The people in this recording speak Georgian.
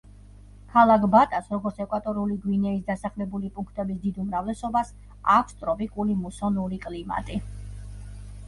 ქალაქ ბატას, როგორც ეკვატორული გვინეის დასახლებული პუნქტების დიდ უმრავლესობას, აქვს ტროპიკული მუსონური კლიმატი.